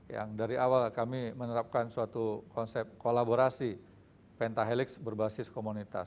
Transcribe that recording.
yang dari awal kami menerapkan suatu konsep kolaborasi pentahelix berbasis komunitas